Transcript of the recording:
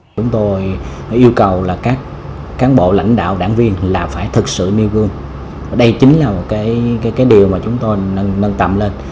chúng tôi yêu cầu là các cán bộ lãnh đạo đảng viên là phải thực sự nêu gương đây chính là một điều mà chúng tôi nâng tầm lên